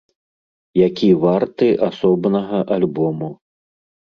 Які варты асобнага альбому.